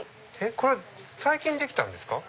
これ最近できたんですか？